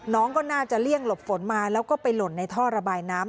น้องก็น่าจะเลี่ยงหลบฝนมาแล้วก็ไปหล่นในท่อระบายน้ำ